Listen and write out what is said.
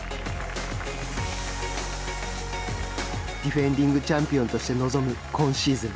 ディフェンディングチャンピオンとして臨む今シーズン。